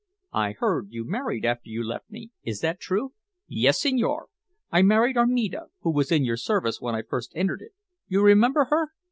"I heard you married after you left me. Is that true?" "Yes, signore. I married Armida, who was in your service when I first entered it. You remember her?